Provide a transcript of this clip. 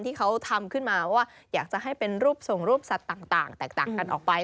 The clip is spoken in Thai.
ที่เขาทำขึ้นมาว่าอยากจะให้เป็นรูปทรงรูปสัตว์ต่างแตกต่างกันออกไป